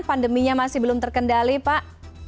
pandeminya masih belum terkendali pak